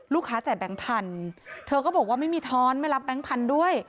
จ่ายแบงค์พันธุ์เธอก็บอกว่าไม่มีท้อนไม่รับแก๊งพันธุ์ด้วย